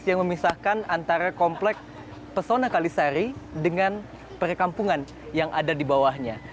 yang memisahkan antara komplek pesona kalisari dengan perkampungan yang ada di bawahnya